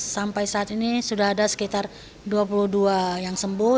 sampai saat ini sudah ada sekitar dua puluh dua yang sembuh